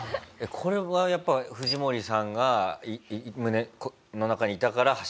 これはやっぱ藤森さんが胸の中にいたから走れた事なんですか？